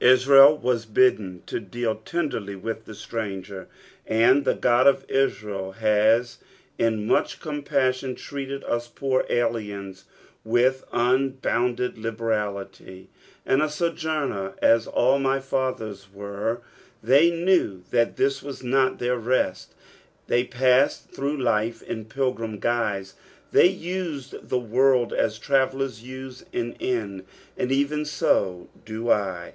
Israel was bidden to deal tenderly with the stranger, and the God of Israel has in much compassion treated us poor aliens with un bounded liberality. " At^ a at^oumer, at all my fnthers tcere.'^ They knew that this was not their rest ; they passed through life in pilgrim guise, they used the world as travellers use an inn, and even so do I.